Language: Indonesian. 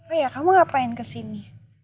oh ya kamu ngapain kesini